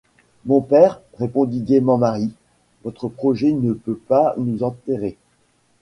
Mon père, répondit gaiement Marie, votre projet ne peut pas nous enterrer.